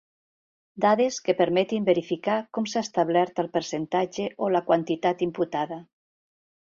Dades que permetin verificar com s'ha establert el percentatge o la quantitat imputada.